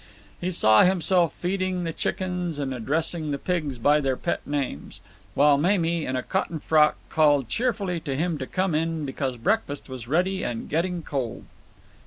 He saw himself feeding the chickens and addressing the pigs by their pet names, while Mamie, in a cotton frock, called cheerfully to him to come in because breakfast was ready and getting cold.